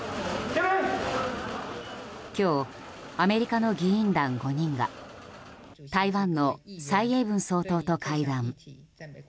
今日、アメリカの議員団５人が台湾の蔡英文総統と会談。